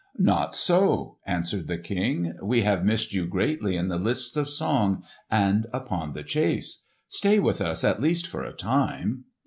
"Not so," answered the King. "We have missed you greatly in the lists of song, and upon the chase. Stay with us at least for a time."